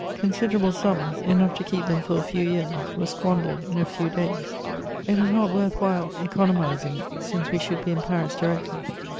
Considerable sums, enough to keep them for a few years, were squandered in a few days: it was not worth while economizing, since we should be in Paris directly.